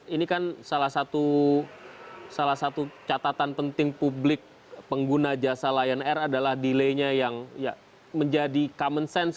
ini kan salah satu catatan penting publik pengguna jasa lion air adalah delay nya yang menjadi common sense